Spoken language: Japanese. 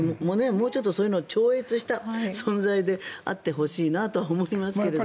もうちょっとそういうのを超越した存在であってほしいと思いますけど。